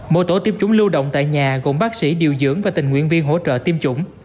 môi tổ tiêm trúng lưu động tại nhà gồm bác sĩ điều dưỡng và tình nguyện viên